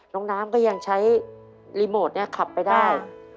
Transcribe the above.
น้องน้ำก็ยังใช้รีโมทขับไปได้